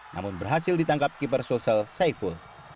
namun berhasil ditangkap keeper sulsel saiful